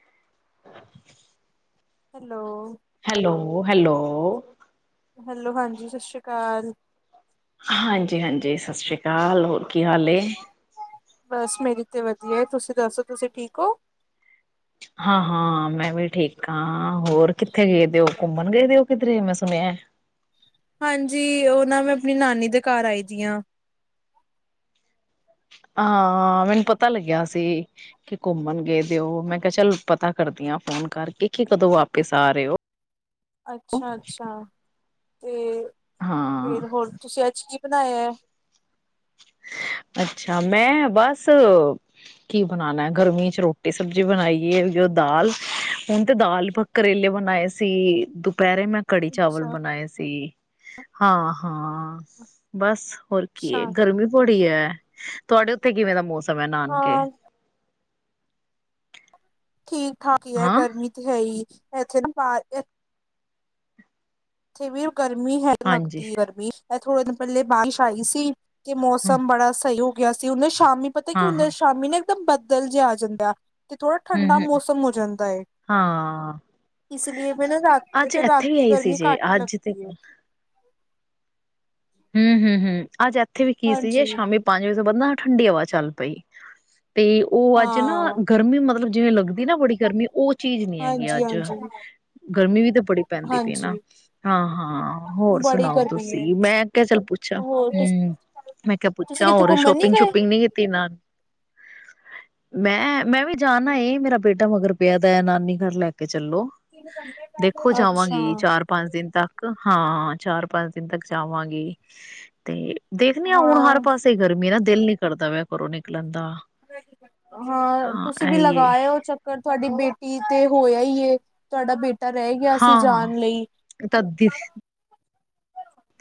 [unintelligible] Hello hello hello. Hello, ਹਾਂਜੀ ਸਸ ਸ੍ਰੀ ਕਾਲ। ਹਾਂਜੀ-ਹਾਂਜੀ ਸਸ ਸ੍ਰੀ ਕਾਲ ਹੋਰ ਕੀ ਹਾਲ ਏ। ਬਸ ਮੇਰੀ ਤੇ ਵਧੀਆ ਏ ਤੁਸੀਂ ਦੱਸੋ ਤੁਸੀਂ ਠੀਕ ਹੋ। ਹਾਂ-ਹਾਂ ਮੈਂ ਵੀ ਠੀਕ ਹਾਂ ਹੋਰ ਕਿੱਥੇ ਗਏ ਦੇ ਹੋ ਘੁੰਮਣ ਗਏ ਦੇ ਹੋ ਕਿਧਰੇ ਮੈਂ ਸੁਣਿਆ। ਹਾਂਜੀ ਉਹ ਨਾ ਮੈਂ ਆਪਣੀ ਨਾਨੀ ਦੇ ਘਰ ਆਈ ਦੀ ਆ। ਹਾਂ ਮੈਨੂੰ ਪਤਾ ਲੱਗਿਆ ਸੀ ਕਿ ਘੁੰਮਣ ਗਏ ਦਿਓ ਮੈਂ ਕਿਹਾ ਚੱਲ ਪਤਾ ਕਰਦੀ ਹਾਂ ਫੋਨ ਕਰਕੇ ਕੀ ਕਦੋਂ ਵਾਪਿਸ ਆ ਰਹੇ ਹੋ। ਅੱਛਾ-ਅੱਛਾ ਤੇ ਹਾਂ ਫੇਰ ਹੋਰ ਤੁਸੀ ਅੱਜ ਕੀ ਬਣਾਇਆ। ਅੱਛਾ ਮੈਂ ਬਸ ਕੀ ਬਣਾਉਣਾ ਗਰਮੀ ਚ ਰੋਟੀ ਸਬਜ਼ੀ ਬਣਾਈਏ ਜੋ ਦਾਲ ਹੁਣ ਤੇ ਦਾਲ ਕਰੇਲੇ ਬਣਾਏ ਸੀ ਦੁਪਹਿਰੇ ਮੈਂ ਕੜੀ ਚਾਵਲ ਅੱਛਾ, ਬਣਾਏ ਸੀ। ਹਾਂ ਹਾਂ ਬਸ ਹੋਰ ਕੀ ਹੈ ਅੱਛਾ ਗਰਮੀ ਥੋੜੀ ਹੈ ਤੁਹਾਡੇ ਉੱਥੇ ਕਿਵੇਂ ਦਾ ਮੌਸਮ ਹੈ ਨਾਨਕੇ। ਹਾਂ ਠੀਕ ਠਾਕ ਹੀ ਹੈ ਹਾਂ ਗਰਮੀ ਤੇ ਹੈ ਹੀ ਇੱਥੇ ਬਾਹਰ ਨਾ। ਇੱਥੇ ਵੀ ਗਰਮੀ ਹੈ ਹਾਂਜੀ ਲੱਗਦੀ ਹੈ ਗਰਮੀ ਇਹ ਥੋੜੇ ਦਿਨ ਪਹਿਲੇ ਬਾਰਿਸ਼ ਆਈ ਸੀ। ਕਿ ਹ ਮੌਸਮ ਬੜਾ ਸਹੀ ਹੋ ਗਿਆ ਸੀ ਉਹਨੇ ਸ਼ਾਮੀ ਪਤਾ ਹਾਂ-ਹਾਂ ਕਿ ਸ਼ਾਮੀ ਨੇ ਇੱਕ ਦਮ ਬਦਲ ਜਿਹਾ ਆ ਜਾਂਦਾ ਤੇ ਥੋੜਾ ਠੰਡਾ ਹੂੰ-ਹੂੰ ਮੌਸਮ ਹੋ ਜਾਂਦਾ ਹੈ। ਹਾਂ ਇਸ ਲਈਏ ਫਿਰ ਨਾ ਰਾਤ ਅੱਜ ਫਿਰ ਰਾਤ ਇੱਥੇ ਵੀ ਕੀ ਆਈ ਸੀ ਗਰਮੀ ਜੇ ਘੱਟ। ਹੀ ਅੱਜ ਤੇ ਲੱਗਦੀ ਹੈ। ਹੂ ਹੂ ਹੂ ਅੱਜ ਇੱਥੇ ਵੀ ਕੀ ਸੀ ਜੇ ਹਾਂਜੀ ਸ਼ਾਮੀ। ਪੰਜ ਵਜੇ ਤੋਂ ਬਾਅਦ ਨਾ ਠੰਡੀ ਹਵਾ ਚੱਲ ਪਈ ਤੇ ਉਹ ਅੱਜ ਨਾ ਹਾਂ ਗਰਮੀ ਮਤਲਬ ਜਿਵੇਂ ਲੱਗਦੀ। ਤੇ ਬੜੀ ਗਰਮੀ ਉਹ ਚੀਜ਼ ਨੀ ਹੈਗੀ ਹਾਂਜੀ ਅੱਜ ਹਾਂਜੀ ਗਰਮੀ ਵੀ ਤਾਂ ਬੜੀ ਪੈਂਦੀ ਪਈ ਨਾ ਹਾਂਜੀ ਹਾਂ ਹਾਂ ਹੋਰ ਬੜੀ ਸੁਣਾਓ ਗਰਮੀ ਹੈ। ਤੁਸੀਂ ਮੈਂ ਮੈਂ ਕਿਹਾ ਚੱਲ ਪੁੱਛਾ ਹੋਰ ਹੂ ਮੈਂ ਕਿਹਾ ਤੁਸੀਂ ਪੁੱਛਿਆ ਕਿੱਥੇ ਹੋਰ ਘੁੰਮਣ ਨੀ ਸ਼ੋਪਿੰਗ ਗਏ? ਸ਼ੂਪਿੰਗ ਨੀਤੀ ਨਾਲ ਮੈਂ ਮੈਂ ਵੀ ਜਾਣਨਾ ਮੇਰਾ ਬੇਟਾ, ਬੇਟਾ ਮਗਰ ਪਿਆ ਦਾ ਨਾਨੀ ਘਰ ਲੈ ਕੇ ਚੱਲੋ ਦੇਖੋ ਅੱਛਾ ਜਾਵਾਂਗੀ ਚਾਰ। ਪੰਜ ਦਿਨ ਤੱਕ ਹਾਂ ਚਾਰ ਪੰਜ ਦਿਨ ਤੱਕ ਜਾਵਾਂਗੀ ਤੇ ਦੇਖਦੇ ਹਾਂ ਹੁਣ ਹਰ ਪਾਸੇ ਗਰਮੀ ਨਾ ਦਿਲ ਨੀ ਕਰਦਾ ਪਿਆ ਘਰੋਂ ਨਿਕਲਣ ਦਾ ਹਾਂ ਤੁਸੀਂ ਵੀ ਇਹੀ ਏ ਲਗਾਇਓ ਚ, ਅਗਰ ਤੁਹਾਡੀ ਬੇਟੀ ਤੇ ਹੋਇਆ ਹੀ ਹੈ ਤੁਹਾਡਾ ਬੇਟਾ ਤਾਂ ਰਹਿ ਗਿਆ ਸੀ ਹਾਂ ਜਾਣ ਲਈ। ਤਾਂ ਦਿ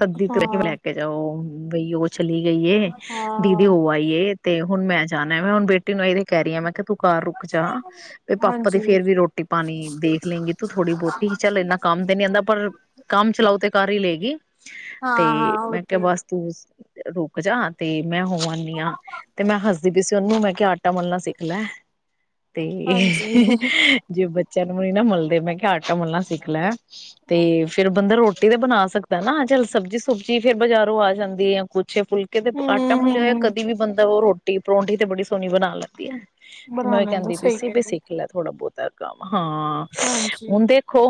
ਤਦੀ ਤੱਕ ਹਾਂ ਲੈ ਕੇ ਜਾਓ ਬਈ ਉਹ ਛੱਲੀ ਆਈਏ ਤੇ ਹਾਂ ਉਹ ਆਈ ਏ ਤੇ ਹੁਣ ਮੈਂ ਜਾਣਾ ਮੈਂ ਹੁਣ ਬੇਟੀ ਨੂੰ ਇਹੀ ਤੇ ਕਹਿ ਰਹੀ ਹਾਂ ਮੈਂ ਕਿਹਾ ਤੂੰ ਘਰ ਰੁਕ ਜਾ। ਵੀ ਪਾਪਾ ਤੇ ਹਾਂਜੀ ਫਿਰ ਵੀ ਰੋਟੀ ਪਾਣੀ ਦੇਖ ਲੇਗੀ ਤੂੰ ਥੋੜੀ ਬਹੁਤੀ ਚੱਲ ਇੰਨਾ ਕੰਮ ਤੇ ਨੀ ਆਉਂਦਾ ਪਰ। ਕੰਮ ਚਲਾਓ ਤੇ ਕਰ ਹੀ ਲਏਗੀ ਹਾਂ ਤੇ ਹਾਂ ਉਹ ਮੈਂ ਕਿਹਾ ਤੇ ਬਸ। ਤੂੰ ਰੁਕ ਜਾ ਤੇ ਮੈਂ ਹੋ ਆਨੀ ਹਾਂ। ਤੇ ਮੈਂ ਹੱਸਦੀ ਪਈ ਸੀ ਉਹਨੂੰ ਮੈਂ ਕਿਹਾ ਆਟਾ ਮਲਣਾ ਸਿੱਖ ਲੈ ਤੇ ਹਾਂਜੀ ਜੇ ਬੱਚਿਆਂ ਨੂੰ ਨੀ ਮਿਲਦੇ ਮੈਂ ਕਿਹਾ ਆਟਾ ਮਲਣਾ ਸਿੱਖ ਲੈ ਤੇ ਫਿਰ ਬੰਦਾ ਰੋਟੀ ਤੇ ਬਣਾ ਸਕਦਾ ਨਾ ਚੱਲ ਸਬਜ਼ੀ ਸੁਬਜੀ ਫਿਰ ਬਾਜ਼ਾਰੋਂ ਆ ਜਾਂਦੀ ਆ ਕੁਛ। ਜੇ ਫੁਲਕੇ ਤੇ ਹਮ ਆਟਾ ਮੁੱਲਿਆ ਹੋਇਆ ਹਮ ਕਦੀ ਵੀ ਬੰਦਾ ਉਹ ਰੋਟੀ ਪਰੌਂਠੀ ਤੇ ਬੜੀ ਸੋਹਣੀ ਬਣਾ ਲੈਂਦੀ ਹੈ। ਤੇ ਬਣਾ ਮੈਂ ਵੀ ਲੈਂਦਾ ਕਹਿੰਦੀ ਵੀ ਸਹੀ ਸੀ ਕਹਿ ਵੀ ਰਹੇ ਸਿੱਖ ਲੈ ਥੋੜਾ ਬਹੁਤਾ ਕੰਮ ਹਾਂ ਹਾਂਜੀ ਹੁੰਦੇ ਦੇਖੋ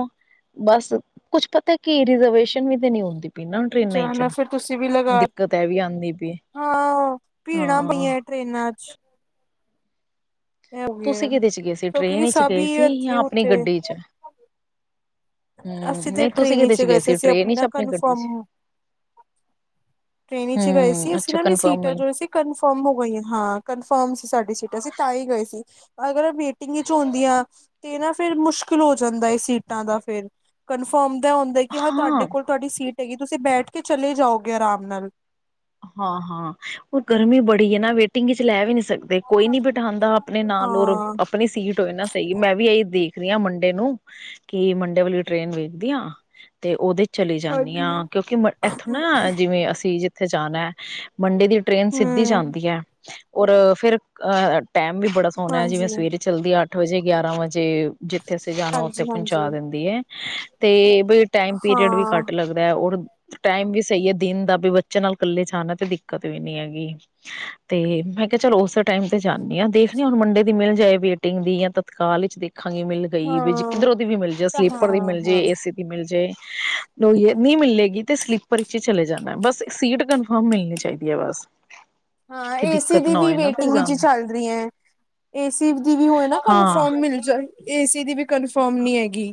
ਬਸ ਕੁੱਛ ਪਤਾ ਕੀ ਰਿਜਰਵੇਸ਼ਨ ਵੀ ਤੇ ਨੀ ਹੁੰਦੀ ਪਈ ਨਾ ਟ੍ਰੇਨਾਂ ਵਿੱਚ ਜਾਣਾ ਫਿਰ ਤੁਸੀਂ ਵੀ ਲਗਾ ਦਿੱਕਤ ਇਹ ਵੀ ਆਉਂਦੀ ਪਈ ਹਾਂ ਉਹ ਭੀੜਾਂ ਹਾਂ ਪਈਆਂ। ਟਰੇਨਾਂ, ਚ ਇਹ ਹੋ ਤੁਸੀਂ ਗਿਆ ਕਿਦੇ ਚ ਗਏ ਸੀ ਸੋ ਟਰੇਨ ਕਿਉਂਕਿ ਵਿੱਚ ਸਭ ਗਏ ਹੀ ਸੀ ਜਾਂ ਇੱਥੇ ਆਪਣੀ ਉੱਥੇ ਗੱਡੀ ਚ ਅਸੀਂ ਹੂ ਤੇ ਨਹੀਂ ਤੁਸੀਂ ਟ੍ਰੇਨ ਕਿਦੇ ਵਿਚ ਚ ਗਏ ਸੀ ਅਸੀਂ ਟਰੇਨ ਹੀ ਚ ਨਾ ਆਪਣੀ ਗੱਡੀ ਚ ਕਨਫਰਮ ਟ੍ਰੇਨ 'ਚ ਗਏ ਸੀ ਹੂੰ, ਅਸੀਂ ਅੱਛਾ ਨਾ ਵੀ ਕਨਫਰਮ ਸੀਟਾਂ ਮਿਲ ਜੋ ਸੀ। ਕਨਫੋਰਮ ਹੋ ਗਈਆਂ ਹਾਂ ਕਨਫਰਮ ਸੀ ਸਾਡੀ ਸੀਟਾਂ ਅਸੀਂ ਤਾਂ ਹੀ ਗਏ ਸੀ। ਅਗਰ ਮੀਟਿੰਗ ਵਿੱਚ ਆਉਂਦੀਆਂ ਤੇ ਨਾ ਫਿਰ ਮੁਸ਼ਕਿਲ ਹੋ ਜਾਂਦਾ ਹੈ ਸੀਟਾਂ ਦਾ ਫਿਰ। ਕਨਫਰਮ ਦਾ ਹੁੰਦਾ ਕਿ ਹਾਂ ਤੁਹਾਡੇ ਕੋਲ ਤੁਹਾਡੀ ਸੀਟ ਹੈਗੀ ਤੁਸੀਂ ਬੈਠ ਕੇ ਚਲੇ ਜਾਓਗੇ ਆਰਾਮ ਨਾਲ, ਹਾਂ ਹਾਂ ਹੋਰ ਗਰਮੀ ਬੜੀ ਹੈ ਨਾ ਵੇਟਿੰਗ ਵਿੱਚ ਲੈ ਵੀ ਨਹੀਂ ਸਕਦੇ ਕੋਈ ਨੀ ਬਿਠਾਉਂਦਾ ਆਪਣੇ ਨਾਲ ਔਰ ਹਾਂ ਆਪਣੀ ਸੀਟ ਹੋਏ ਨਾ। ਸਹੀ ਮੈਂ ਇਹੀ ਦੇਖ ਰਹੀ ਹਾਂ ਮੰਡੇ ਨੂੰ ਕਿ ਮੰਡੇ ਵਾਲੀ ਟ੍ਰੇਨ ਵੇਖਦੀ ਹਾਂ। ਤੇ ਉਹਦੇ ਚਲੀ ਹਮ ਜਾਂਦੀ ਹਾਂ ਕਿਉਂਕਿ ਇੱਥੋਂ ਨਾ ਜਿਵੇਂ ਅਸੀਂ ਜਿੱਥੇ ਜਾਣਾ ਹੈ। ਮੰਡੇ ਦੀ ਟ੍ਰੇਨ ਸਿੱਧੀ ਜਾਂਦੀ ਹੈ ਔਰ ਫਿਰ ਅਹ ਟਾਈਮ ਵੀ ਬੜਾ ਸੋਹਣਾ ਹੈ ਜਿਵੇਂ ਹਾਂਜੀ ਸਵੇਰੇ ਚੱਲਦੀ ਅੱਠ ਵਜੇ ਗਿਆਰਾਂ ਵਜੇ ਜਿੱਥੇ ਸੀਗਾ ਉੱਥੇ ਹਾਂਜੀ ਹਾਂਜੀ ਪਹੁੰਚਾ ਦਿੰਦੀ ਹੈ ਤੇ ਬਈ ਟਾਈਮ ਪੀਰੀਅਡ ਵੀ ਹਾਂ ਘੱਟ ਲੱਗਦਾ। ਔਰ ਟਾਈਮ ਵੀ ਸਹੀ ਹੈ ਦਿਨ ਦਾ ਵੀ ਬੱਚੇ ਨਾਲ ਇਕੱਲੇ ਜਾਣਾ ਤੇ ਦਿੱਕਤ ਵੀ ਨੀ ਹੈਗੀ [unintelligible] ਅਤੇ ਮੈਂ ਕਿਹਾ ਚਲ ਉਸੇ ਟਾਈਮ 'ਤੇ ਜਾਂਦੀ ਹਾਂ ਦੇਖਦੀ ਹਾਂ ਹੁਣ ਮੰਡੇ ਦੀ ਮਿਲ ਜਾਏ ਵੇਟਿੰਗ ਦੀ ਜਾਂ ਤਤਕਾਲ ਵਿੱਚ ਦੇਖਾਂਗੇ ਮਿਲ ਗਈ ਵੀ ਹਾਂ ਕਿੱਧਰੋਂ ਦੀ ਵੀ ਮਿਲ ਜਾਏ ਤਾਂ ਹਾਂ ਸਲੀਪਰ ਦੀ ਮਿਲ ਜਾਏ ਹਾਂ ਇਸ, ਮਿਲ ਜਾਏ ਨਹੀਂ ਮਿਲੇਗੀ ਤੇ ਸਲੀਪਰ ਵਿੱਚ ਹੀ ਚਲੇ ਜਾਂਦਾ ਬਸ, ਸੀਟ ਕਨਫਰਮ ਮਿਲਣੀ ਚਾਹੀਦੀ ਹੈ ਬਸ, ਹਾਂ ਕਿ ਏਸੀ ਦਿੱਕਤ ਦੀ ਨਾ ਵੀ ਹੋਏ ਨਾ ਫਿਰ ਵੇਟਿੰਗ'ਚ ਜਾਣ ਚੱਲ ਰਹੀ ਹੈ। ਏਸੀ ਦੀ ਵੀ ਹੋਏ ਨਾ ਹਾਂ ਕਨਫਰਮ ਮਿਲ ਜਾ ਏਸੀ ਦੀ ਵੀ ਕਨਫਰਮ ਨੀ ਹੈਗੀ,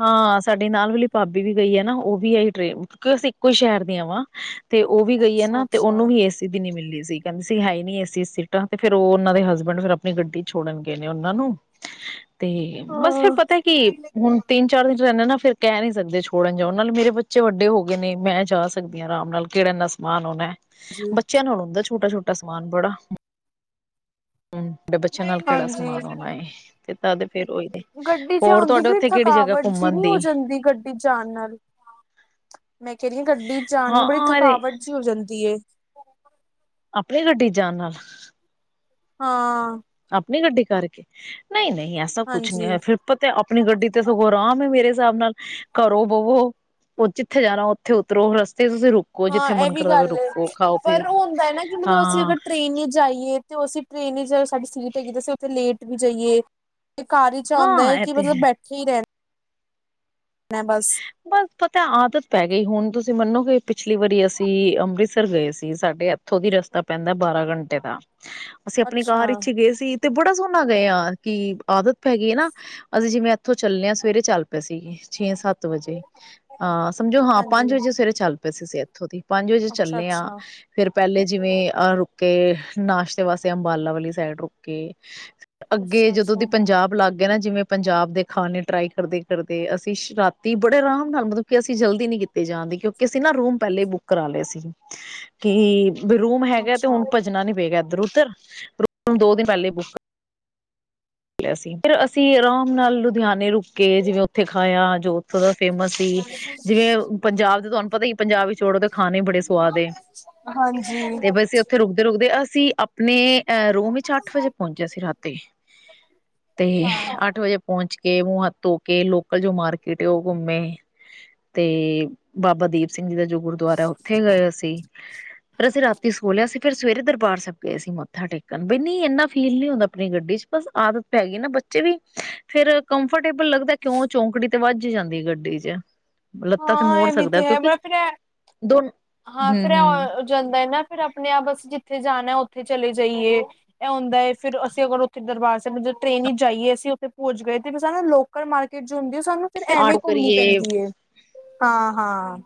ਹਾਂ ਸਾਡੀ ਨਾਲ ਵਾਲੀ ਭਾਬੀ ਵੀ ਗਈ ਆ ਨਾ ਉਹ ਵੀ ਇਹੀ ਟ੍ਰੇਨ ਕਿਉਂਕਿ ਅਸੀਂ ਇੱਕੋ ਹੀ ਸ਼ਹਿਰ ਦੀ ਆ ਵਾ। ਤੇ ਉਹ ਵੀ ਗਈਏ ਅੱਛਾ ਨਾ ਤੇ ਉਹਨੂੰ ਅੱਛਾ ਵੀ ਏ। ਦੀ ਨੀ ਮਿਲਲੀ ਸੀ ਕਹਿੰਦੀ ਸੀ ਹੈ ਹੀ ਨੀ ਏਸੀ ਸੀਟਾਂ ਤੇ ਫੇਿਰ ਉਹ ਉਹਨਾਂ ਦੇ ਹਸਬੈਂਡ ਫਿਰ ਆਪਣੀ ਗੱਡੀ ਛੋੜਨ ਗਏ ਨੇ ਉਹਨਾਂ ਨੂੰ ਤੇ ਬਸ ਫੇਿਰ ਹਾਂ ਪਤਾ ਕਿ ਹੁਣ ਤਿੰਨ ਚਾਰ ਦਿਨ ਰਹਿੰਦੇ ਨਾ ਫਿਰ ਕਹਿ ਨਹੀਂੀ ਸਕਦੇ ਛੋੜਨ ਜਾਓ ਨਾਲੇ ਮੇਰੇ ਬੱਚੇ ਵੱਡੇ ਹੋ ਗਏ ਨੇ ਮੈਂ ਜਾ ਸਕਦੀ ਹਾਂ ਆਰਾਮ ਨਾਲ ਕਿਹੜੇ ਨ, ਸਮਾਨ ਉਹ ਨਾ ਬੱਚਿਆਂ ਨੂੰ ਹੁੰਦਾ ਛੋਟਾ ਛੋਟਾ ਸਮਾਨ ਬੜਾ ਹੂੰ। ਤੁਹਾਡੇ ਬੱਚਿਆਂ ਨਾਲ ਕਿਹੜਾ ਹਾਂਜੀ ਸਮਾਨ ਹੋਣਾ ਤੇ ਤਦੇ ਫੇਰ ਉਹੀ ਹੋਰ ਤੁਹਾਡੇ ਉੱਥੇ ਕਿਹੜੀ ਜਗ੍ਹਾ ਰੁਕਾਵਟ ਜਿ ਘੁੰਮਣ ਨਹੀਂੀ ਹੋ ਦੀ ਜਾਂਦੀ ਗੱਡੀ ਜਾਣ ਨਾਲ,, ਮੈਂ ਕਹਿ ਰਹੀ ਹਾਂ ਗੱਡੀ 'ਚ ਜਾਣ ਨੂੰ ਬੜੀ ਹਾਂ ਅਰੇ ਥਕਾਵਟ ਜਿਹੀ ਹੋ ਜਾਂਦੀ ਹੈ। ਆਪਣੀ ਗੱਡੀ ਜਾਣ ਨਾਲ, ਹਾਂ। ਆਪਣੀ ਗੱਡੀ ਕਰਕੇ ਨਹੀਂ ਨਹੀਂ ਐਸਾ ਕੁਛ ਨਹੀਂ ਹਾਂਜੀ ਹੈਇਆ ਫਿਰ, ਆਪ ਤੇ ਆਪਣੀ ਗੱਡੀ ਤੇ ਸਗੋਂ ਆਰਾਮ ਹੈ ਮੇਰੇ ਹਿਸਾਬ ਨਾਲ ਘਰੋ ਬਵੋ, ਉਹ ਜਿੱਥੇ ਜਾਣਾ ਉੱਥੇ ਉਤਰੋ ਰਸਤੇ ਤੇ ਤੁਸੀਂ। ਜਿੱਥੇ ਹਾਂ ਇਹ ਮਨ ਵੀ ਕਰਦਾ ਪਿਆ ਗੱਲ ਰੁਕੋ ਹੈ ਖਾਓ ਪੀਓ ਪਰ ਹੁੰਦਾ ਹੈ ਨਾ ਕਿ ਮਤਲਬ ਅਸੀਂ ਹਾਂ ਅਰ, ਟ੍ਰੇਨ ਹੀ ਜਾਈਏ ਤੇ ਅਸੀਂ ਟ੍ਰੇਨ ਸਾਡੀ ਸੀਟ ਹੈਗੀ ਤਾਂ ਅਸੀਂ ਉੱਥੇ ਲੇਟ ਵੀ ਜਾਈਏ। ਕਾਰ ਇਚ ਐ ਹਾਂ ਹੁੰਦੈ ਇਹ ਕਿ ਤੇ ਮਤਲਬ ਹੈ ਬੈਠੇ ਹੀ ਰੈਣ ਮੈਂ ਬਸ ਬਸ ਪਤਾ ਆਦਤ ਪੈ ਗਈ ਹੁਣ ਤੁਸੀਂ ਮੰਨੋ ਕਿ ਪਿਛਲੀ ਵਾਰੀ ਅਸੀਂ ਅੰਮ੍ਰਿਤਸਰ ਗਏ ਸੀ, ਸਾਡੇ ਹੱਥ ਐਥੋਂ ਦੀ ਰਸਤਾ ਪੈਂਦਾ ਬਾਰਾਂ ਘੰਟੇ ਦਾ, ਅਸੀਂ ਅਪਣੀ ਅੱਛਾ ਕਾਰ ਇਚ ਈ ਗਏ ਸੀ। ਤੇ ਬੜਾ ਸੋਹਣਾ ਗਏ ਆ ਕਿ ਆਦਤ ਪੈ ਗਈ ਨਾ ਅਸੀਂ ਜਿਵੇਂ ਇੱਥੋਂ ਚੱਲੇ ਹਾਂ ਸਵੇਰੇ ਚੱਲ ਪਏ ਸੀਗੇ ਛੇ ਸੱਤ ਸੱਤ ਵਜੇ ਅਹ ਸਮਝੋ ਹਾਂ ਹਾਂਜੀ ਪੰਜ ਵਜੇ ਸਵੇਰੇ ਚੱਲ ਪਏ ਸੀ ਅਸੀ ਐਥੋਂ ਦੀ। ਪੰਜ ਵਜੇ ਅੱਛਾ ਚੱਲੇ ਆ ਅੱਛਾ ਫਿਰ ਪਹਿਲੇ ਜਿਵੇਂ ਅਹ ਰੁਕੇ ਨਾਸ਼ਤੇ ਵਾਸਤੇ ਅੰਬਾਲਾ ਵਾਲੀ ਸਾਈਡ ਰੁਕੇ ਅੱਗੇ ਅੱਛਾ ਜਦੋਂ ਦੀ ਅੱਛਾ ਪੰਜਾਬ ਲੱਗ ਗਿਆ ਨਾ ਜਿਵੇਂ ਪੰਜਾਬ ਦੇ ਖਾਣੇ ਟਰਾਈ ਕਰਦੇ ਕਰਦੇ ਅਸੀਂ ਰਾ ਤੇ ਬੜੇ ਆਰਾਮ ਨਾਲ ਮਤਲਬ ਕਿ ਅਸੀਂ ਜਲਦੀ ਨੀ ਕੀਤੇ ਜਾਣਦੇ ਕਿਉਂਕਿ ਅਸੀਂ ਨਾ ਰੂਮ ਪਹਿਲੇ ਬੁੱਕ ਕਰਾ ਲਏ ਸੀ ਕਿ ਰੂਮ ਹੈਗਾ ਤੇ ਅੱਛਾ ਹੁਣ ਭੱਜਣਾ ਨੀ ਪਏਗਾ ਇੱਧਰ ਉੱਧਰ ਰੂ ਦੋ ਦਿਨ ਪਹਿਲੇ ਬੁੱਕ ਿਆ ਸੀ ਫਿਰ ਅਸੀਂ ਆਰਾਮ ਨਾਲ ਲੁਧਿਆਣੇ ਰੁਕ ਕੇ ਜਿਵੇਂ ਉੱਥੇ ਖਾਇਆ ਜੋ ਉੱਥੋਂ ਦਾ ਫੇਮਸ ਸੀ ਜਿਵੇਂ ਪੰਜਾਬ ਦੇ ਤੁਹਾਨੂੰ ਪਤਾ ਹੀ ਪੰਜਾਬ ਵਿੱਚ ੋੜਦੇ ਖਾਣੇ ਬੜੇ ਸਵਾਦ ਏ ਹਾਂਜੀ ਤੇ ਬਸੀ ਓਥੇ ਰੁਕਦੇ-ਰੁਕਦੇ ਅਸੀਂ ਅਪਣੇਂ ਐ ਰੂਮ ਇਚ ਅੱਠ ਵਜੇ ਪਹੁੰਚਿਆ ਸੀ ਰਾਤੀ। ਤੇ ਹਾਂ ਅੱਠ ਵਜੇ ਪਹੁੰਚ ਕੇ ਮੂੰ ਹੱਥ ਧੋ ਕੇ ਲੋਕਲ ਜੋ ਮਾਰ ਕੇ ਤੇ ਉਹ ਘੁੰਮੇ ਤੇ ਬਾਬਾ ਦੀਪ ਸਿੰਘ ਜੀ ਦਾ ਜੋ ਗੁਰਦੁਆਰੈ ਓਥੇ ਗਏ ਅਸੀਂ। ਫਿਰ ਅਸੀਂ ਰਾਤੀ ਸੋਲਿਆ ਸੀ। ਫੇਰ ਸਵੇਰੇ ਦਰਬਾਰ ਸੈਬ ਗਏ ਸੀ ਮੱਥਾ ਟੇਕਣ, ਬਈ ਨੀ ਏਨਾ ਫੀਲ ਨੀ ਹੁੰਦਾ ਅਪਣੀ ਗੱਡੀ ਚ। ਬਸ ਆਦਤ ਪੈ ਗੀ ਨਾ ਬੱਚੇ ਵੀ ਫੇਰ ਕੰਫਰਟੇਬਲ ਲੱਗਦੈ, ਕਿਉਂ ਚੌਂਕੜੀ ਤੇ ਵੱਜ ਜਾਂਦੀ ਗੱਡੀ ਚ ਲੱਤਾਂ ਤੇ ਹਾਂ ਮੋੜ ਇਹਮਤੀ ਸਕਦਾ ਹੈ। ਕਿਉਂਕਿ ਬ ਫਿਰ ਦੋ ਹਾਂ ਹੂੰ ਫਿਰ ਹੂੰ ਜਾਂਦਾਏ ਨਾ ਫਿਰ ਆਪਣੇ ਆਪ ਬਸ ਜਿੱਥੇ ਜਾਣਾ ਉੱਥੇ ਚਲੇ ਜਾਈਏ ਇਹ ਆਉਂਦਾ ਹੈ ਫਿਰ ਅਸੀਂ ਅਗਰ ਉੱਥੇ ਦਰਬਾਰ ਸਾਹਿਬ ਟ੍ਰਨ ਹੀ ਜਾਈਏ ਅਸੀਂ ਉੱਥੇ ਪਹਜ ਗਏ ਤੇ ਫ ਨਾ ਲੋਕ ਮਾਰਕੀਟ ਜੋ ਹੁੰਦੀ ਸਾਨੂੰ ਫਿਰ ਐਵੇਂ ਆਟੋ ਘੁੰਮਣੀ ਕਰੀਏ ਪੈਂਦੀ ਹੈ ਹਾਂ ਹਾਂ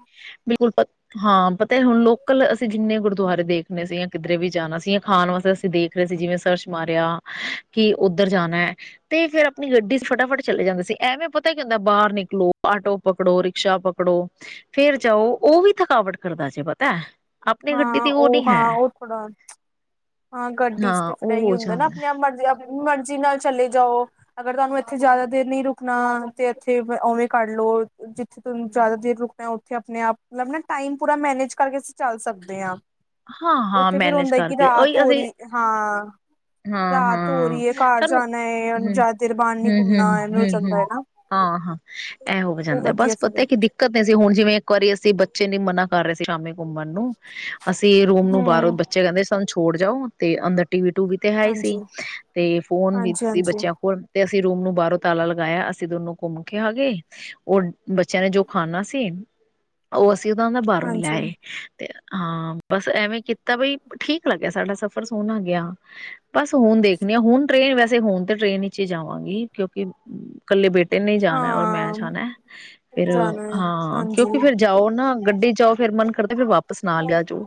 ਬਿਲਕੁਲ ਫ ਹਾਂ, ਪਤੈ ਹੁਣ ਲੋਕਲ ਅਸੀਂ ਜਿੰਨੇ ਗੁਰਦੁਆਰੇ ਦੇਖਣੇ ਸੀ ਯਾ ਕਿੱਧਰੇ ਵੀ ਜਾਣਾ ਸੀ, ਯਾ ਖਾਣ ਵਸਤੇ ਦੇਖ ਰਹੇ ਸੀ। ਜਿਵੇਂ ਸਰਚ ਮਾਰਿਆ ਕਿ ਉੱਧਰ ਜਾਣਾ ਹੈ। ਤੇ ਫੇਰ ਆਪਣੀ ਗੱਡੀ ਚ ਫਟਾ ਫਟ ਚਲੇ ਜਾਂਦੇ ਸੀ। ਐਵੇਂ ਪਤਾ ਹੀ ਹੁੰਦਾ ਬਾਹਰ ਨਿਕਲੋ ਆਟੋ ਪਕੜੋ ਰਿਕਸ਼ਾ ਪਕੜੋ, ਫੇਰ ਜਾਓ ਓਹ ਵੀ ਥਕਾਵਟ ਕਰਦਾ ਜੇ ਪਤੈ। ਹਾਂ, ਉਹ ਹਾਂ, ਉਹ ਥੋੜ੍ਹਾ ਹਾਂ, ਗੱਡੀ ਚ ਤੇ, ਹਾਂ ਫਿਰ ਉਹ ਇਹੀ ਹੋ ਹੁੰਦਾ ਨਾ, ਜਾਂਦਾ ਆਪਣੇ ਆਪ ਮਰਜ਼ੀ, ਆਪਣੀ ਮਰਜ਼ੀ ਨਾਲ, ਚਲੇ ਜਾਓ। ਅਗਰ ਤੁਹਾਨੂੰ, ਐਥੇ ਜਿਆਦਾ ਦੇਰ ਨਹੀਂ ਰੁਕਣਾ, ਤੇ ਐਥੇ ਔਵੇਂ ਕਰ ਲੋ। ਜਿੱਥੇ, ਤੁਹਾਨੂੰ ਜਿਆਦਾ ਦੇਰ ਰੁਕਣਾ, ਉੱਥੇ ਆਪਣੇ ਆਪ ਮਤਲਬ ਨਾ, ਟਾਈਮ ਪੂਰਾ ਮੈਨੇਜ ਕਰਕੇ ਚੱਲ ਸਕਦੇ ਹਾਂ, ਹਾਂ ਹਾਂ ਉੱਥੇ ਫਿਰ ਮੈਨੇਜ ਹੁੰਦਾ ਕਿ, ਕਰਕੇ ਰਾਤ ਉਹੀ ਹੋ ਅਸੀਂ ਰਹੀ, ਹਾਂ। ਹਾਂ ਰਾਤ ਹੋ ਹਾਂ ਰਹੀ ਏ, ਘਰ ਸਾਨੂੰ ਜਾਣਾ ਏ, ਹੁਣ ਹਮ ਜਿਆਦਾ ਦੇਰ ਬਾਹਰ ਨੀ ਹਮ ਹਮ ਘੁੰਮਣਾ। ਹਮ ਹਮ [unintelligible] ਹਾਂ- ਹਾਂ, ਐਹ ਹੋ ਉਹ ਜਾਂਦੈ ਵਧੀਆ ਬਸ, ਫਿਰ ਪਤੈ ਕਿ ਦਿੱ ਦਿੱਕਤ ਇਹ ਸੀ ਹੁਣ ਜਿਵੇਂ, ਇੱਕ ਵਾਰੀ ਅਸੀਂ ਬੱਚੇ ਨੂੰ ਮਨਾ ਕਰ ਰਹੇ ਸੀ, ਸ਼ਾਮੀ ਘੁੰਮਣ ਨੂੰ ਅਸੀਂ, ਰੂਮ ਨੂੰ ਬਾਹਰੋਂ ਹਾਂਜੀ ਬੱਚੇ, ਕਹਿੰਦੇ ਸਾਨੂੰ ਛੋੜ ਜਾਓ ਤੇ, ਅੰਦਰ ਟੀਵੀ, ਟੂਵੀ ਤੇ ਹੈ ਈ ਸੀ, ਤੇ ਫੋਨ ਵੀ ਹਾਂਜੀ ਸੀ ਹਾਂਜੀ ਬੱਚਿਆਂ ਕੋਲ। ਤੇ, ਅਸੀਂ ਰੂਮ ਨੂੰ ਬਾਹਰੋਂ ਤਾਲਾ ਲਗਾਇਆ, ਅਸੀਂ ਦੋਨੋ ਘੁੰਮ ਕੇ ਗਏ। ਉਹ ਬੱਚਿਆਂ ਨੇ ਜੋ ਖਾਣਾ ਸੀ, ਉਹ ਅਸੀਂ ਉਹਦਾ ਨਾ ਬਾਹਰੋਂ ਲੈ ਹਾਂਜੀ ਆਏ। ਤੇ, ਹਾਂ ਬਸ ਐਵੇਂ ਕੀਤਾ, ਬਈ ਠੀਕ ਲੱਗਿਆ ਸਾਡਾ ਸਫ਼ਰ ਸੋਹਣਾ ਗਿਆ। ਬਸ, ਹੁਣ ਦੇਖਨੀ ਆ, ਹੁਣ ਟ੍ਰੇਨ ਵੈਸੇ, ਹੁਣ ਤਾਂ ਟ੍ਰੇਨ ਵਿੱਚ ਹੀ ਜਾਵਾਂਗੀ। ਕਿਉਂਕਿ ਇਕੱਲੇ ਬੇਟੇ ਨੇ ਈ, ਜਾਣਾ ਔਰ ਮੈਂ ਹਾਂ ਜਾਣਾ, ਫੇਰ ਜਾਣਾ ਹੈ ਹਾਂ। ਹਾਂਜੀ ਕਿਉਂਕਿ ਫੇਰ ਜਾਓ ਨਾ, ਗੱਡੀ ਜਾਓ ਫੇਰ ਮਨ ਕਰਦਾ, ਫੇਰ ਵਾਪਸ ਨਾਲ ਈ ਆਜੋ।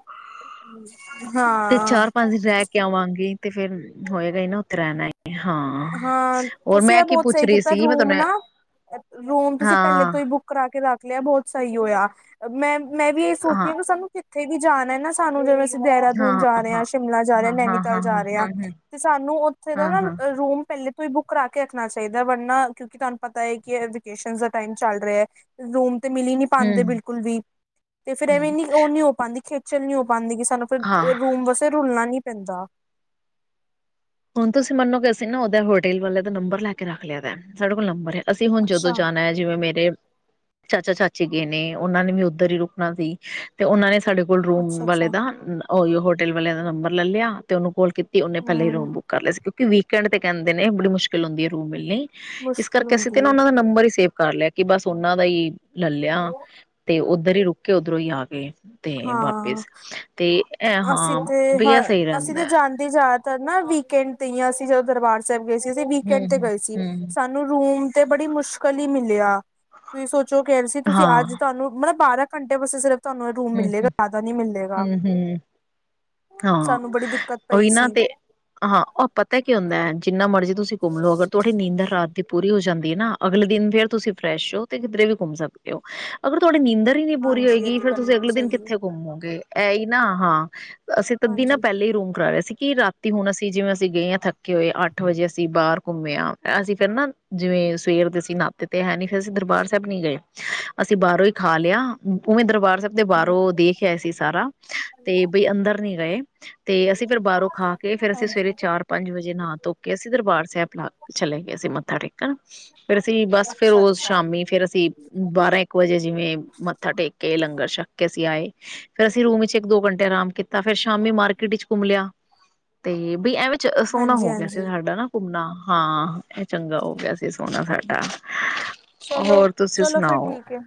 [unintelligible] ਤੇ, ਚਾਰ-ਪੰਜ ਦਿਨ ਰਹਿ ਕੇ ਆਵਾਂਗੇ ਤੇ ਫੇਰ ਹੋਏਗਾ ਈ ਨਾ, ਉਥੇ ਰਹਿਣਾ ਏ, ਹਾਂ ਹਾਂ ਹੋਰ ਮੈਂ, ਕੀ ਪੁੱਛ ਰਹੀ ਸੀ? [unintelligible] ਅ, ਰੂਮ ਤੁਸੀਂ ਪਹਿਲੇ ਹਾਂ ਤੋਂ ਈ, ਬੁੱਕ ਕਰਾ ਕੇ ਰੱਖ ਲਿਆ ਬਹੁਤ ਸਹੀ ਹੋਇਆ। ਮੈਂ-ਮੈਂ ਵੀ ਇਹ ਸੋਚਦੀ ਹਾਂ। ਕਿ ਸਾਨੂੰ ਕਿੱਥੇ ਵੀ ਜਾਣਾ ਨਾ ਸਾਨੂੰ, ਜਿਵੇਂ ਅਸੀਂ ਦੇਹਰਾਦੂਨ ਹਾਂ ਜਾ ਰਹੇ ਆਂ, ਹਾਂ ਸ਼ਿਮਲਾ ਜਾ ਰਹੇ ਆਂ, ਹਾਂ ਹਾਂ ਹਾਂ ਨੈਨੀਤਾਲ ਹਾਂ ਜਾ ਰਹੇ ਆਂ। ਹਾਂ ਹ ਤੇ ਸਾਨੂੰ ਉੱਥੇ ਦਾ ਹਾਂ ਨਾ, ਹਾਂ ਰੂਮ ਪਹਿਲੇ ਤੌੰ ਹੀ ਬੁੱਕ ਕਰਾਕੇ ਰੱਖਣਾ ਚਾਹੀਦਾ, ਵਰਨਾ ਕਿਉਕਿ ਤੁਹਾਨੂੰ ਪਤਾ ਹੈ ਕਿ, ਇਹ ਵਕੇਸ਼ਨਸ ਦਾ ਟਾਈਮ ਚੱਲ ਰਿਹਾ। ਰੂਮ, ਤੇ ਮਿਲ ਹੀ ਨਹੀਂ ਪਾਂਦੇ ਹਮ ਬਿਲਕੁਲ ਵੀ, ਤੇ ਫੇਰ ਐਵੇਂ ਹਮ ਨੀ, ਉਹ ਨਹੀਂ ਹੋ ਪਾਂਦੀ, ਖੇਚਲ ਨਹੀਂ ਹੋ ਪਾਂਦੀ। ਕਿ ਸਾਨੂੰ ਫੇਰ, ਹਾਂ ਰੂਮ ਵਾਸਤੇ ਰੁਲਣਾ ਨਹੀਂ ਪੈਂਦਾ। ਹੁਣ, ਤੁਸੀਂ ਮੰਨੋਗੇ ਅਸੀਂ ਨਾ, ਉਧਰ ਹੋਟਲ ਵਾਲੇ ਦਾ, ਨੰਬਰ ਲੈ ਕੇ ਰੱਖ ਲਿਆ ਦੈ, ਸਾਡੇ ਕੋਲ ਨੰਬਰ ਹੈ। ਅਸੀਂ, ਹੁਣ ਜਦੋਂ ਅੱਛਾ ਜਾਣਾ ਹੈ। ਜਿਵੇਂ ਮੇਰੇ ਚਾਚਾ, ਚਾਚੀ ਗਏ ਨੇ, ਉਹਨਾਂ ਨੇ ਵੀ ਉੱਧਰ ਹੀ ਰੁਕਣਾ ਸੀ। ਤੇ, ਉਹਨਾਂ ਨੇ ਸਾਡੇ ਕੋਲ ਰੂਮ ਅੱਛਾ ਵਾਲੇ ਅੱਛਾ ਦਾ, ਉਹੀ ਹੋਟਲ ਵਾਲਿਆਂ ਦਾ ਨੰਬਰ ਲੈ ਲਿਆ। ਤੇ ਉਹਨੂੰ ਕੋਲ ਕੀਤੀ, ਉਹਨੇ ਪਹਿਲੇ ਹੀ ਹਮ ਰੂਮ ਬੁੱਕ ਕਰ ਲਿਆ ਸੀ। ਕਿਉਂਕਿ ਵੀਕਐੰਡ ਤੇ ਕਹਿੰਦੇ ਨੇ, ਬੜੀ ਮੁਸ਼ਕਿਲ ਹੁੰਦੀ ਹੈ, ਰੂਮ ਮਿਲਣੀ। ਇਸ ਮੁਸ਼ਕਿਲ ਕਰਕੇ, ਅਸੀਂ ਤੇ ਹੁੰਦੀ ਨਾ ਹੈ ਉਹਨਾਂ ਦਾ ਨੰਬਰ ਹੀ, ਸੇਵ ਕਰ ਲਿਆ, ਕਿ ਬਸ ਉਹਨਾਂ ਦਾ ਹੀ ਲੈ ਲਿਆ। ਤੇ, ਓਧਰ ਹੀ ਰੁਕੇ, ਉਧਰੋਂ ਹੀ ਆ ਗਏ। ਤੇ ਹਾਂ ਵਾਪਿਸ ਤੇ ਏਹ ਅਸੀਂ ਹਾਂ, ਤੇ ਬਈ ਹ ਆ ਸਹੀ ਅਸੀਂ ਰਹਿੰਦਾ ਏ। ਤੇ ਜਿਆਦਾਤਰ ਨਾ, ਵੀਕਐਂਡ ਤੇ ਯਾ ਅਸੀਂ ਜਦੋਂ ਦਰਬਾਰ ਸਾਹਿਬ ਗਏ ਸੀ, ਅਸੀਂ ਹਮ ਵੀਕਐਂਡ ਤੇ ਹਮ ਗਏ ਸੀ। ਹਮ ਸਾਨ ਮੂੰ ਰੂਮ ਤੇ ਬੜੀ ਮੁਸ਼ਕਲ ਹੀ ਮਿਲਿਆ। ਤੁਸੀਂ ਸੋਚੋ ਕਹਿ ਰਹੇ ਸੀ, ਤੁਸੀਂ ਹਾਂ ਅੱਜ ਤੁਹਾਨੂੰ ਮਤਲਬ ਬਾਰਾਂ ਘੰਟੇ ਵਾਸਤੇ, ਸਿਰਫ ਤੁਹਾਨੂੰ ਰੂਮ ਹੂੰ ਮਿਲੇਗਾ -ਹੂੰ, ਜ਼ਿਆਦਾ ਨਹੀਂ ਮਿਲੇਗਾ। ਹੂੰ- ਹੂੰ, ਹਾਂ ਸਾਨੂੰ ਬੜੀ ਦਿੱਕਤ ਪਈ ਓਹੀ ਨਾ ਸੀ ਤੇ ਹਾਂ, ਉਹ ਪਤਾ ਕੀ ਹੁੰਦਾ ਹੈ। ਜਿੰਨਾ ਮਰਜ਼ੀ ਤੁਸੀਂ ਘੁੰਮ ਲਉ ਅਗਰ ਤੁਹਾਡੀ ਨੀਂਦਰ ਰਾਤ ਦੀ ਪੂਰੀ ਹੋ ਜਾਂਦੀ ਹੈ, ਨਾ ਅਗਲੇ ਦਿਨ ਫੇਰ ਤੁਸੀਂ ਫਰੈਸ਼ ਹੋ, ਤੇ ਕਿਧਰੇ ਵੀ ਘੁੰਮ ਸਕਦੇ ਹੋ। ਅਗਰ, ਤੁਹਾਡੀ ਨੀਂਦਰ ਹੀ ਨਹੀਂ ਪੂਰੀ ਹਾਂਜੀ ਇਹ ਹੋਏਗੀ ਤੇ ਫਿਰ ਗੱਲ ਬਿਲਕੁਲ ਸਹੀ ਹੈ ਘੁੰਮੋਗੇ? ਇਹ ਹੀ ਨਾ, ਹਾਂ ਅਸੀਂ ਤਾਂ ਤੱਦ ਹੀ ਹਾਂਜੀ ਪਹਿਲੇ ਹੀ ਰੂਮ ਕਰਾ ਲਿਆ ਸੀ, ਕਿ ਰਾਤੀ ਰਾਤੀ, ਹੁਣ ਅਸੀਂ ਜਿਵੇਂ, ਅਸੀਂ ਗਏ ਆ, ਥੱਕੇ ਹੋਏ, ਅੱਠ ਵਜੇ, ਅਸੀਂ ਬਾਹਰ ਘੁੰਮੇ ਆ, ਅਸੀਂ ਫੇਰ ਨਾ ਜਿਵੇਂ, ਸਵੇਰ ਦੇ ਅਸੀ ਨਹਾਤੇ ਤੇ ਹੈ ਨਹੀਂ, ਫੇਰ ਅਸੀਂ ਦਰਬਾਰ ਸਾਹਿਬ ਨੀ ਗਏ। ਅਸੀਂ ਬਾਹਰੋਂ ਹੀ ਖਾ ਲਿਆ। ਉਵੇਂ ਦਰਬਾਰ ਸਾਹਿਬ ਦੇ ਬਾਹਰੋਂ ਦੇਖ ਆਏ ਸੀ ਸਾਰਾ, ਤੇ ਬਈ ਅੰਦਰ ਨੀ ਗਏ। ਤੇ, ਅਸੀਂ ਫੇਰ ਬਾਹਰੋਂ ਖਾ ਕੇ, ਫੇਰ ਅਸੀਂ ਸਵੇਰੇ ਹਾਂਜੀ। ਚਾਰ ਪੰਜ ਵਜੇ, ਨਹਾ ਧੋ ਕੇ ਅਸੀਂ, ਦਰਬਾਰ ਸੈਬ ਲਾ, ਚਲੇ ਗਏ ਸੀ ਮੱਥਾ ਟੇਕਣ। ਫਿਰ, ਅਸੀਂ ਬਸ ਫਿਰ, ਅੱਛਾ ਉਸ ਅੱਛਾ ਸ਼ਾਮੀ ਫੇਰ ਅਸੀਂ ਬਾਰਾਂ ਇੱਕ ਇੱਕ ਵਜੇ ਜਿਵੇਂ ਮੱਥਾ ਟੇਕ ਕੇ ਲੰਗਰ ਛੱਕ ਕੇ ਅਸੀਂ ਆਏ। ਫੇਰ ਅਸੀਂ ਰੂਮ ਵਿੱਚ ਇੱਕ ਦੋ ਘੰਟੇ ਆਰਾਮ ਕੀਤਆ। ਤਾਂ ਫੇਰ, ਸ਼ਾਮੀ ਮਾਰਕੀਟ ਚ ਘੁੰਮ ਲਿਆ, ਤੇ ਬਈ ਐੰਵੇ ਚ ਸੋਹਣਾ ਹਾਂਜੀ ਹੋ ਗਿਆ ਸੀ, ਹਾਂਜੀ ਸਾਡਾ ਨਾ। ਘੁੰਮਣਾ, ਹਾਂ ਇਹ ਚੰਗਾ ਹੋ ਗਿਆ ਸੀ, ਸੋਹਣਾ ਸਾਡਾ। ਚਲੋ ਹੋਰ, ਤੁਸੀਂ ਚਲੋ ਫਿਰ ਸੁਣਾਓ? ਠੀਕ ਹੈ।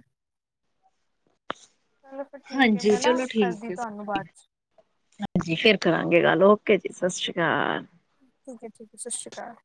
ਚਲੋ ਫਿਰ ਠੀਕ ਹੈ ਹਾਂਜੀ ਮੈਂ ਨਾ ਚਲੋ ਠੀਕ ਕਰਦੀ ਹੈ ਤੁਹਾਨੂੰ ਬਾਅਦ 'ਚ ਹਾਂਜੀ ਫਿਰ ਕਰਾਂਗੇ ਗੱਲ ਓਕੇ ਜੀ ਸਤਿ ਸ਼੍ਰੀ ਅਕਾਲ। ਠੀਕ ਹੈ ਠੀਕ ਹੈ ਸਤਿ ਸ਼੍ਰੀ ਅਕਾਲ।